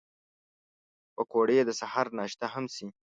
پکورې د سهر ناشته هم شي